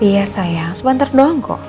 iya sayang sebentar dong kok